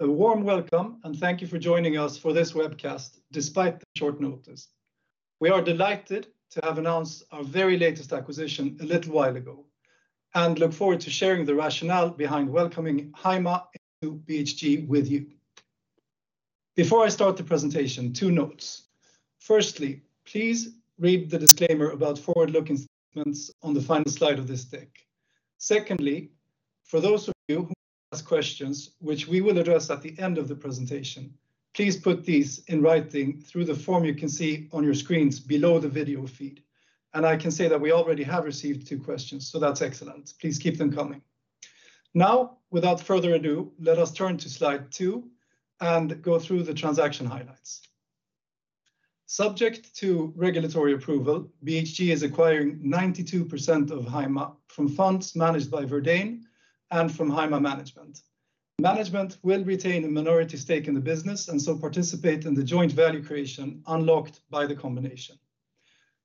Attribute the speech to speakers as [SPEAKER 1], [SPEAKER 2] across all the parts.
[SPEAKER 1] A warm welcome and thank you for joining us for this webcast despite the short notice. We are delighted to have announced our very latest acquisition a little while ago and look forward to sharing the rationale behind welcoming HYMA into BHG with you. Before I start the presentation, two notes. Firstly, please read the disclaimer about forward-looking statements on the final slide of this deck. Secondly, for those of you who want to ask questions, which we will address at the end of the presentation, please put these in writing through the form you can see on your screens below the video feed. I can say that we already have received two questions. That's excellent. Please keep them coming. Without further ado, let us turn to slide two and go through the transaction highlights. Subject to regulatory approval, BHG is acquiring 92% of HYMA from funds managed by Verdane and from HYMA Management. Management will retain a minority stake in the business and so participate in the joint value creation unlocked by the combination.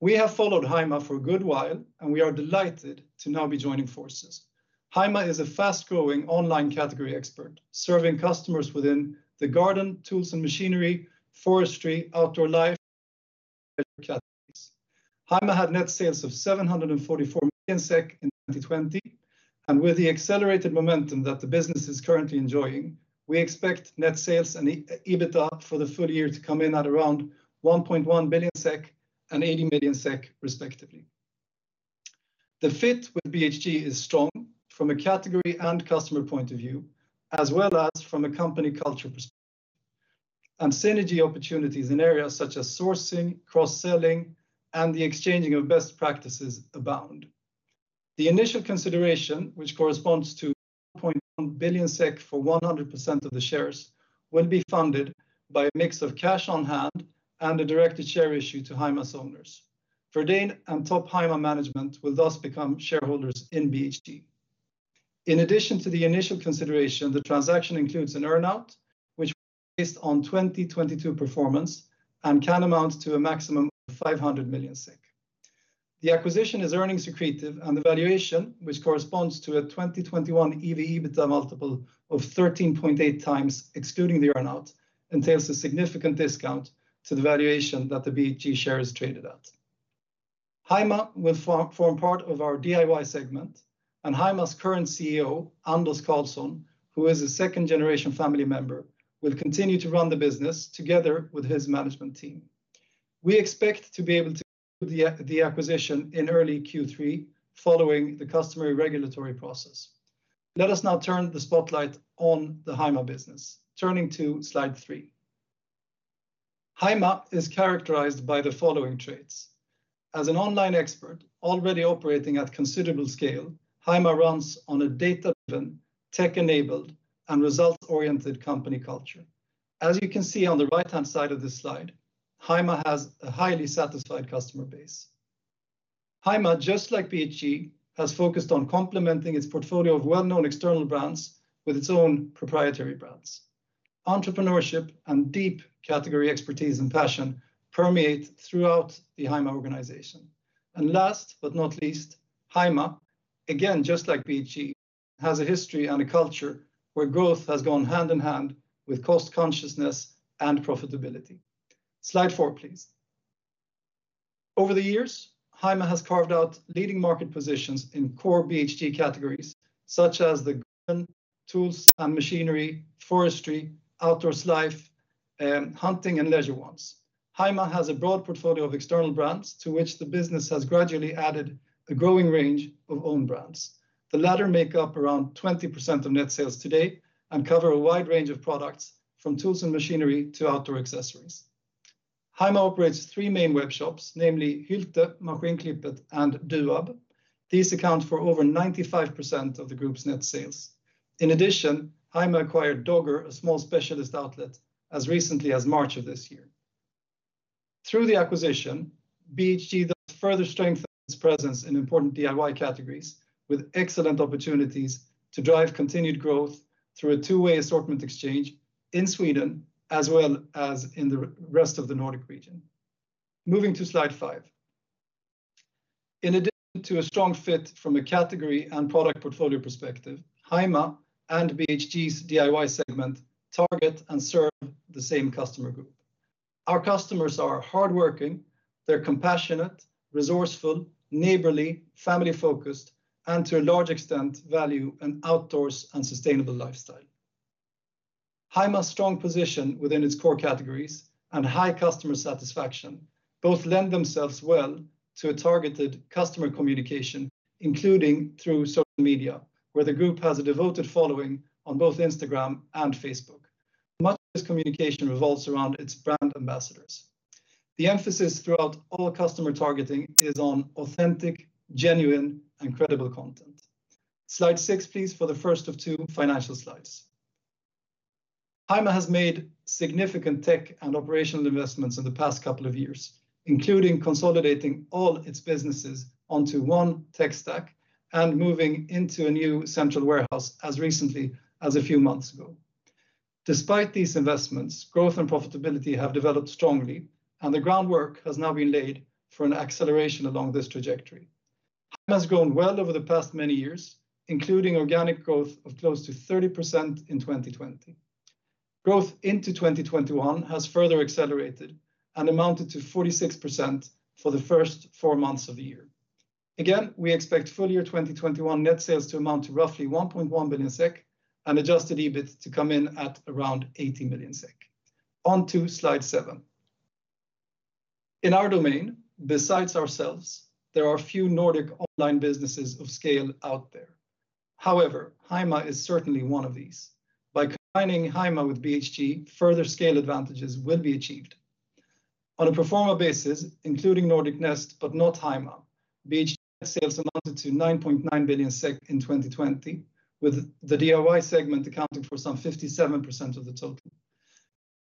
[SPEAKER 1] We have followed HYMA for a good while, and we are delighted to now be joining forces. HYMA is a fast-growing online category expert serving customers within the garden, tools and machinery, forestry, outdoor life, and leisure categories. HYMA had net sales of 744 million SEK in 2020, and with the accelerated momentum that the business is currently enjoying, we expect net sales and EBITDA for the full year to come in at around 1.1 billion SEK and 80 million SEK respectively. The fit with BHG is strong from a category and customer point of view, as well as from a company culture perspective, and synergy opportunities in areas such as sourcing, cross-selling, and the exchanging of best practices abound. The initial consideration, which corresponds to 1.1 billion SEK for 100% of the shares, will be funded by a mix of cash on hand and a directed share issue to HYMA's owners. Verdane and top HYMA management will thus become shareholders in BHG. In addition to the initial consideration, the transaction includes an earn-out which will be based on 2022 performance and can amount to a maximum of 500 million. The acquisition is earnings accretive and the valuation, which corresponds to a 2021 EV/EBITDA multiple of 13.8x excluding the earn-out, entails a significant discount to the valuation that the BHG shares traded at. HYMA will form part of our DIY segment, and HYMA's current CEO, Anders Hofstedt, who is a 2nd-generation family member, will continue to run the business together with his management team. We expect to be able to close the acquisition in early Q3 following the customary regulatory process. Let us now turn the spotlight on the HYMA business, turning to slide three. HYMA is characterized by the following traits. As an online expert already operating at considerable scale, HYMA runs on a data-driven, tech-enabled, and results-oriented company culture. As you can see on the right-hand side of this slide, HYMA has a highly satisfied customer base. HYMA, just like BHG, has focused on complementing its portfolio of well-known external brands with its own proprietary brands. Entrepreneurship and deep category expertise and passion permeate throughout the HYMA organization. Last but not least, HYMA, again just like BHG, has a history and a culture where growth has gone hand in hand with cost consciousness and profitability. Slide four, please. Over the years, HYMA has carved out leading market positions in core BHG categories such as the garden, tools and machinery, forestry, outdoors life, and hunting and leisure ones. HYMA has a broad portfolio of external brands to which the business has gradually added a growing range of own brands. The latter make up around 20% of net sales today and cover a wide range of products from tools and machinery to outdoor accessories. HYMA operates three main webshops, namely Hylte Jakt & Lantman, Maskinklippet, and Duab. These account for over 95% of the group's net sales. In addition, HYMA acquired Dogger, a small specialist outlet, as recently as March of this year. Through the acquisition, BHG thus further strengthens its presence in important DIY categories with excellent opportunities to drive continued growth through a two-way assortment exchange in Sweden, as well as in the rest of the Nordic region. Moving to slide five. In addition to a strong fit from a category and product portfolio perspective, HYMA and BHG's DIY segment target and serve the same customer group. Our customers are hardworking, they're compassionate, resourceful, neighborly, family-focused, and to a large extent value an outdoors and sustainable lifestyle. HYMA's strong position within its core categories and high customer satisfaction both lend themselves well to targeted customer communication, including through social media, where the group has a devoted following on both Instagram and Facebook. Much of this communication revolves around its brand ambassadors. The emphasis throughout all customer targeting is on authentic, genuine, and credible content. Slide six, please, for the first of two financial slides. HYMA has made significant tech and operational investments in the past couple of years, including consolidating all its businesses onto one tech stack and moving into a new central warehouse as recently as a few months ago. Despite these investments, growth and profitability have developed strongly, and the groundwork has now been laid for an acceleration along this trajectory. HYMA has grown well over the past many years, including organic growth of close to 30% in 2020. Growth into 2021 has further accelerated and amounted to 46% for the first four months of the year. We expect full year 2021 net sales to amount to roughly 1.1 billion SEK, and adjusted EBIT to come in at around 80 million SEK. On to slide seven. In our domain, besides ourselves, there are few Nordic online businesses of scale out there. HYMA is certainly one of these. By combining HYMA with BHG, further scale advantages will be achieved. On a pro forma basis, including Nordic Nest but not HYMA, BHG sales amounted to 9.9 billion SEK in 2020, with the DIY segment accounting for some 57% of the total.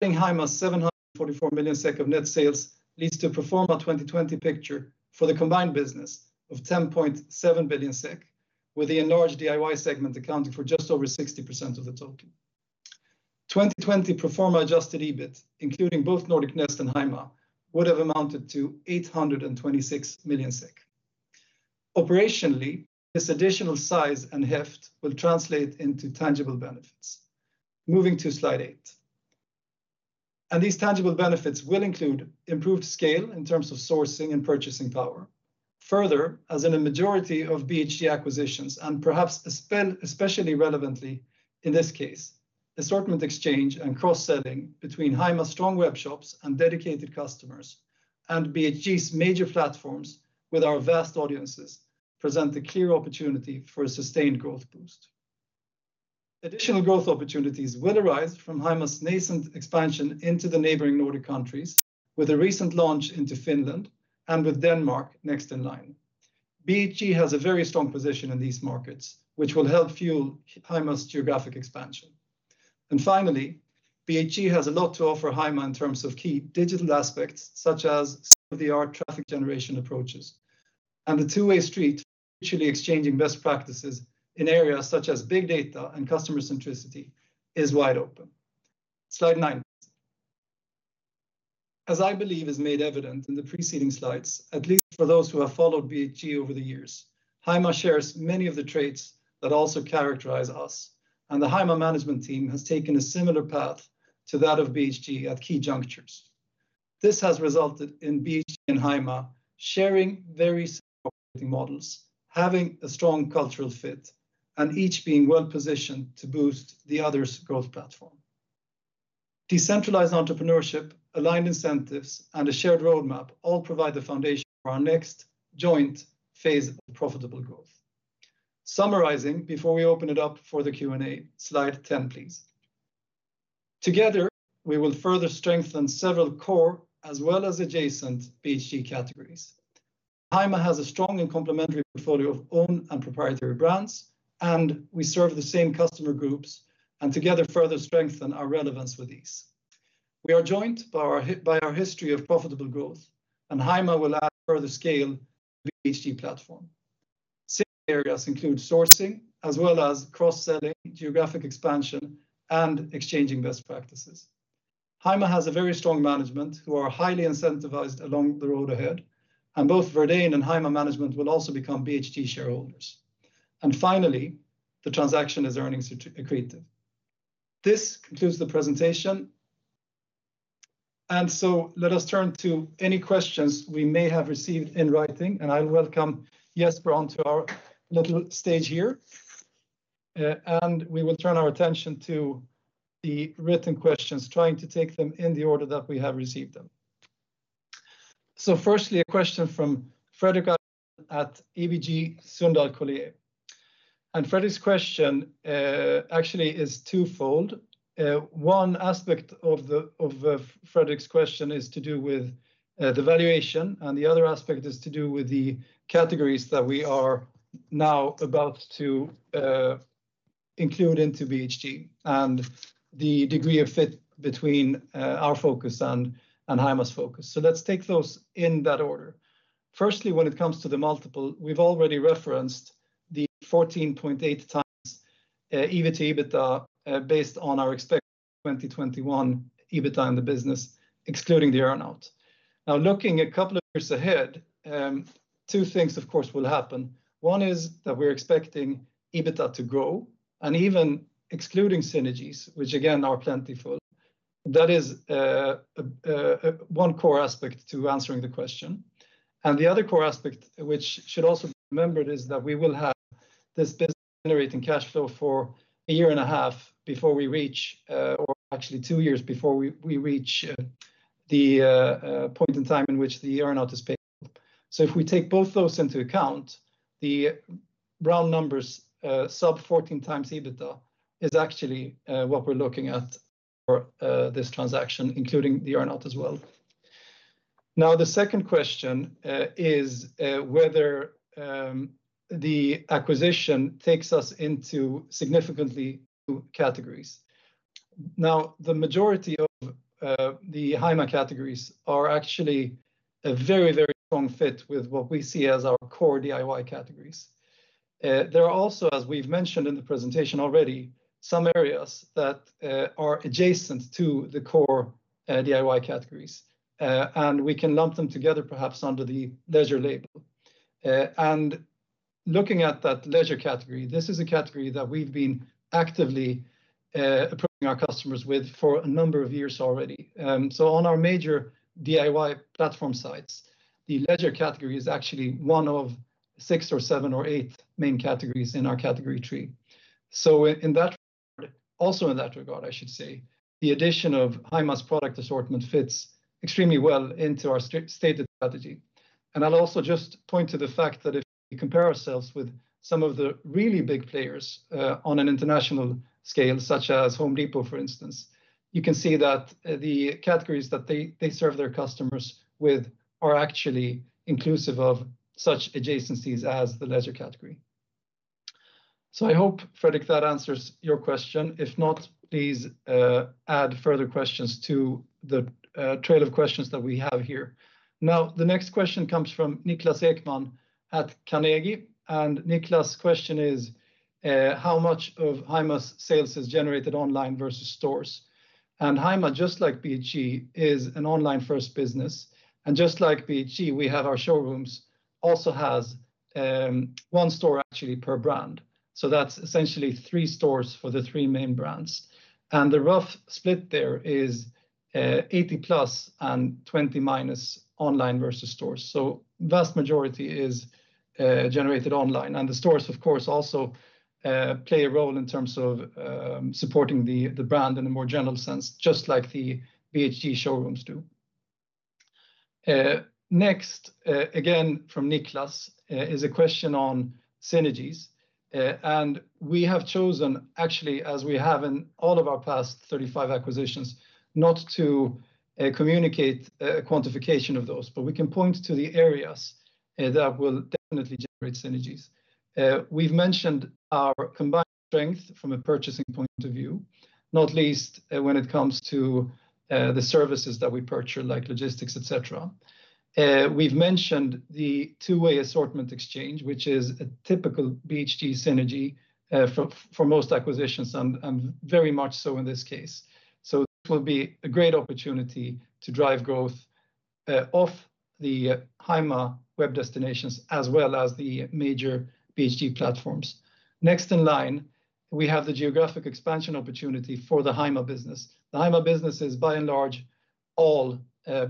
[SPEAKER 1] Adding HYMA's 744 million SEK of net sales leads to a pro forma 2020 picture for the combined business of 10.7 billion SEK, with the enlarged DIY segment accounting for just over 60% of the total. 2020 pro forma adjusted EBIT, including both Nordic Nest and HYMA, would have amounted to 826 million. Operationally, this additional size and heft will translate into tangible benefits. Moving to slide eight. These tangible benefits will include improved scale in terms of sourcing and purchasing power. As in a majority of BHG acquisitions, and perhaps especially relevantly in this case, assortment exchange and cross-selling between HYMA's strong web shops and dedicated customers, and BHG's major platforms with our vast audiences present a clear opportunity for a sustained growth boost. Additional growth opportunities will arise from HYMA's nascent expansion into the neighboring Nordic countries with a recent launch into Finland and with Denmark next in line. BHG has a very strong position in these markets, which will help fuel HYMA's geographic expansion. Finally, BHG has a lot to offer HYMA in terms of key digital aspects such as state-of-the-art traffic generation approaches, and the two-way street mutually exchanging best practices in areas such as big data and customer centricity is wide open. Slide nine. As I believe is made evident in the preceding slides, at least for those who have followed BHG over the years, HYMA shares many of the traits that also characterize us, and the HYMA management team has taken a similar path to that of BHG at key junctures. This has resulted in BHG and HYMA sharing very similar operating models, having a strong cultural fit, and each being well-positioned to boost the other's growth platform. Decentralized entrepreneurship, aligned incentives, and a shared roadmap all provide the foundation for our next joint phase of profitable growth. Summarizing before we open it up for the Q&A. Slide 10, please. Together, we will further strengthen several core as well as adjacent BHG categories. HYMA has a strong and complementary portfolio of own and proprietary brands, and we serve the same customer groups, and together further strengthen our relevance with these. We are joined by our history of profitable growth. HYMA will add further scale to the BHG platform. Synergies areas include sourcing as well as cross-selling, geographic expansion, and exchanging best practices. HYMA has a very strong management who are highly incentivized along the road ahead. Both Verdane and HYMA management will also become BHG shareholders. Finally, the transaction is earnings accretive. This concludes the presentation. Let us turn to any questions we may have received in writing, and I welcome Jesper onto our little stage here. We will turn our attention to the written questions, trying to take them in the order that we have received them. Firstly, a question from Fredrik at ABG Sundal Collier. Fredrik's question actually is twofold. One aspect of Fredrik's question is to do with the valuation, and the other aspect is to do with the categories that we are now about to include into BHG and the degree of fit between our focus and HYMA's focus. Let's take those in that order. Firstly, when it comes to the multiple, we've already referenced the 14.8x EBITA based on our expected 2021 EBITA in the business, excluding the earn-out. Looking a couple of years ahead, two things of course will happen. One is that we're expecting EBITA to grow, and even excluding synergies, which again are plentiful. That is one core aspect to answering the question. The other core aspect which should also be remembered is that we will have this business generating cash flow for a year and a half before we reach, or actually two years before we reach the point in time in which the earn-out is paid. If we take both those into account, the round numbers sub 14x EBITA is actually what we're looking at for this transaction, including the earn-out as well. The second question is whether the acquisition takes us into significantly new categories. The majority of the HYMA categories are actually a very strong fit with what we see as our core DIY categories. There are also, as we've mentioned in the presentation already, some areas that are adjacent to the core DIY categories, and we can lump them together perhaps under the leisure label. Looking at that leisure category, this is a category that we've been actively approaching our customers with for a number of years already. On our major DIY platform sites, the leisure category is actually one of six or seven or eight main categories in our category tree. Also in that regard, I should say, the addition of HYMA's product assortment fits extremely well into our stated strategy. I'll also just point to the fact that if we compare ourselves with some of the really big players on an international scale, such as Home Depot, for instance, you can see that the categories that they serve their customers with are actually inclusive of such adjacencies as the leisure category. I hope, Fredrik, that answers your question. If not, please add further questions to the trail of questions that we have here. The next question comes from Niklas Ekman at Carnegie, and Niklas' question is how much of HYMA's sales is generated online versus stores? HYMA, just like BHG, is an online-first business, and just like BHG, we have our showrooms, also has one store actually per brand. That's essentially three stores for the three main brands. The rough split there is 80+ and 20- online versus stores. Vast majority is generated online. The stores, of course, also play a role in terms of supporting the brand in a more general sense, just like the BHG showrooms do. Next, again from Niklas, is a question on synergies. We have chosen, actually, as we have in all of our past 35 acquisitions, not to communicate quantification of those, but we can point to the areas that will definitely generate synergies. We've mentioned our combined strength from a purchasing point of view, not least when it comes to the services that we purchase, like logistics, et cetera. We've mentioned the two-way assortment exchange, which is a typical BHG synergy for most acquisitions, and very much so in this case. This will be a great opportunity to drive growth off the HYMA web destinations as well as the major BHG platforms. Next in line, we have the geographic expansion opportunity for the HYMA business. The HYMA business is by and large all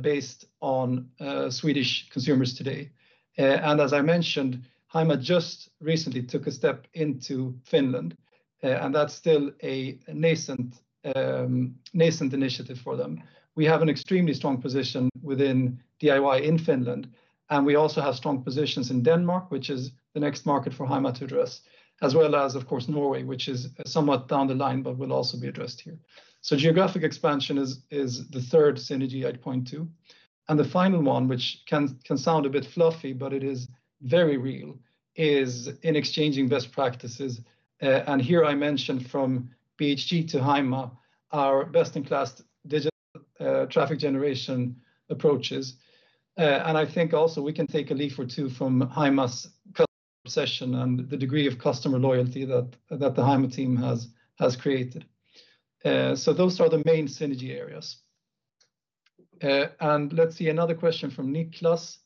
[SPEAKER 1] based on Swedish consumers today. As I mentioned, HYMA just recently took a step into Finland, and that's still a nascent initiative for them. We have an extremely strong position within DIY in Finland, and we also have strong positions in Denmark, which is the next market for HYMA to address, as well as, of course, Norway, which is somewhat down the line but will also be addressed here. Geographic expansion is the 3rd synergy I'd point to. The final one, which can sound a bit fluffy but it is very real, is in exchanging best practices. Here I mentioned from BHG to HYMA, our best-in-class digital traffic generation approaches. I think also we can take a leaf or two from HYMA's customer obsession and the degree of customer loyalty that the HYMA team has created. Those are the main synergy areas. Let's see another question from Niklas.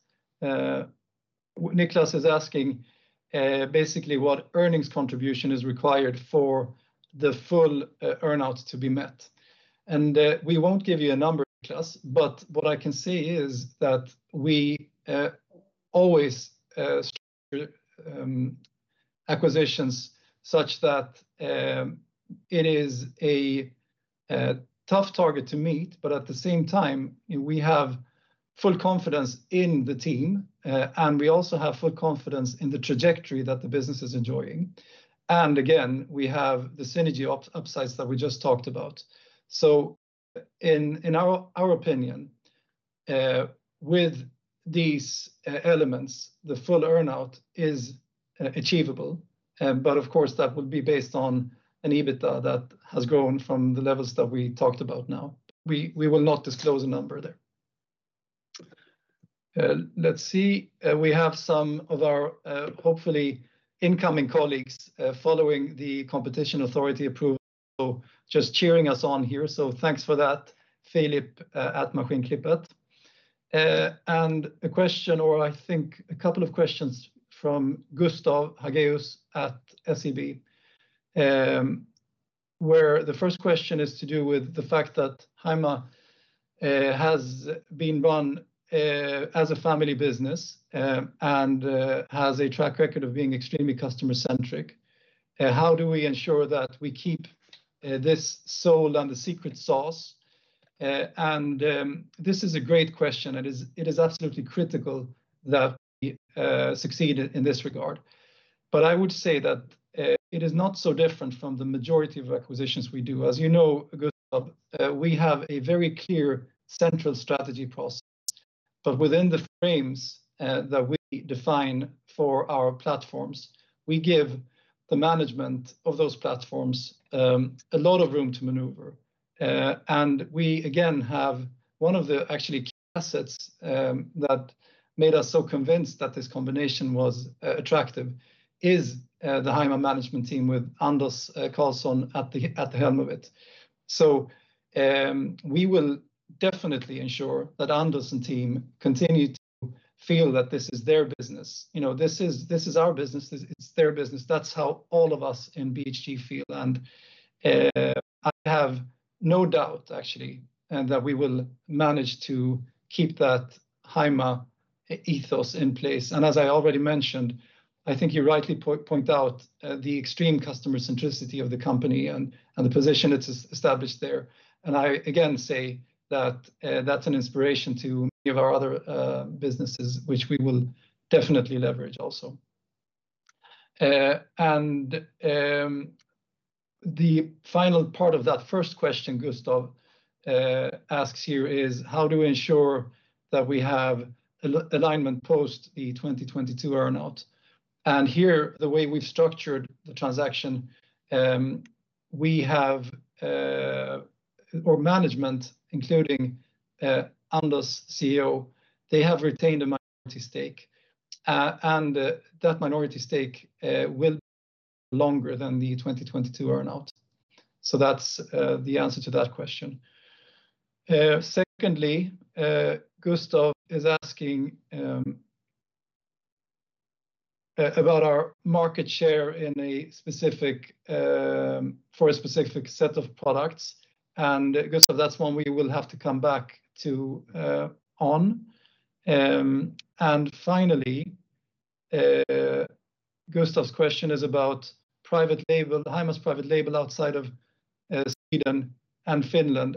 [SPEAKER 1] Niklas is asking basically what earnings contribution is required for the full earn-outs to be met. We won't give you a number, Niklas, but what I can say is that we always structure acquisitions such that it is a tough target to meet, but at the same time, we have full confidence in the team, and we also have full confidence in the trajectory that the business is enjoying. Again, we have the synergy upsides that we just talked about. In our opinion, with these elements, the full earn-out is achievable. Of course, that would be based on an EBITDA that has grown from the levels that we talked about now. We will not disclose a number there. Let's see. We have some of our, hopefully, incoming colleagues following the competition authority approval, just cheering us on here. Thanks for that, Philip at Machin Kybert. A question, or I think a couple of questions from Gustaf Öhrn at SEB, where the first question is to do with the fact that HYMA has been run as a family business and has a track record of being extremely customer-centric. How do we ensure that we keep this soul and the secret sauce? This is a great question, and it is absolutely critical that we succeed in this regard. I would say that it is not so different from the majority of acquisitions we do. As you know, Gustaf, we have a very clear central strategy process. Within the frames that we define for our platforms, we give the management of those platforms a lot of room to maneuver. We again have one of the actually key assets that made us so convinced that this combination was attractive is the HYMA management team with Anders Hofstedt at the helm of it. We will definitely ensure that Anders and team continue to feel that this is their business. This is our business. It's their business. That's how all of us in BHG feel. I have no doubt actually that we will manage to keep that HYMA ethos in place. As I already mentioned, I think you rightly point out the extreme customer centricity of the company and the position it's established there. I again say that that's an inspiration to many of our other businesses, which we will definitely leverage also. The final part of that first question Gustaf asks here is how do we ensure that we have alignment post the 2022 earn-out? Here, the way we've structured the transaction, we have, or management, including Anders Hofstedt, CEO, they have retained a minority stake, and that minority stake will last longer than the 2022 earn-out. That's the answer to that question. Secondly, Gustaf is asking about our market share for a specific set of products, Gustaf, that's one we will have to come back to on. Finally, Gustaf's question is about HYMA's private label outside of Sweden and Finland.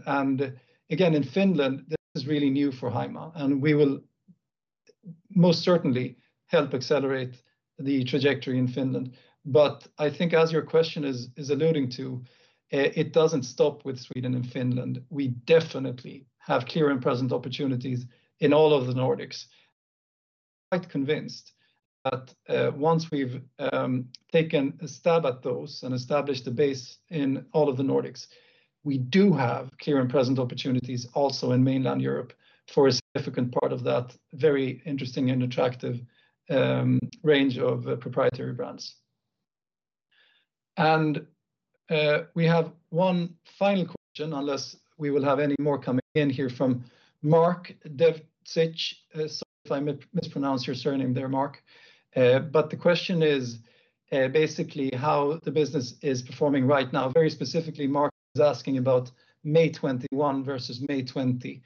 [SPEAKER 1] Again, in Finland, this is really new for HYMA, we will most certainly help accelerate the trajectory in Finland. I think as your question is alluding to, it doesn't stop with Sweden and Finland. We definitely have clear and present opportunities in all of the Nordics. I'm quite convinced that once we've taken a stab at those and established a base in all of the Nordics, we do have clear and present opportunities also in mainland Europe for a significant part of that very interesting and attractive range of proprietary brands. We have one final question, unless we will have any more coming in here from Mark Devcich. Sorry if I mispronounced your surname there, Mark. The question is basically how the business is performing right now, very specifically, Mark is asking about May 2021 versus May 2020.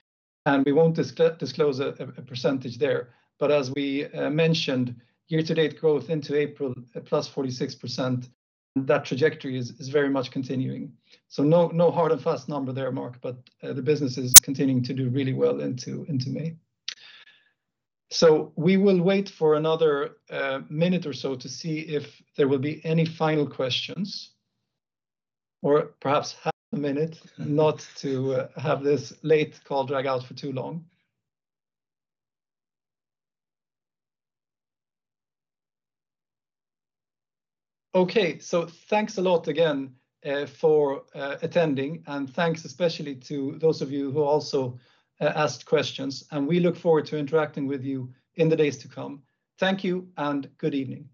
[SPEAKER 1] We won't disclose a percentage there. As we mentioned, year-to-date growth into April, at +46%, and that trajectory is very much continuing. No hard and fast number there, Mark, but the business is continuing to do really well into May. We will wait for another minute or so to see if there will be any final questions, or perhaps half a minute not to have this late call drag out for too long. Okay, thanks a lot again for attending, and thanks especially to those of you who also asked questions, and we look forward to interacting with you in the days to come. Thank you and good evening.